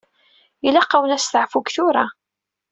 Ilaq-awen usteɛfu seg tura.